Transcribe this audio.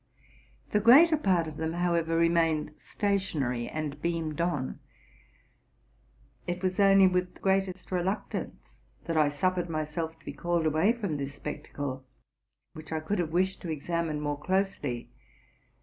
The greater part of them, however, remained stationary, and beamed on. It was only with the greatest reluctance that I suffered myself to be called away from this spectacle, which I could have wished to examine more closely.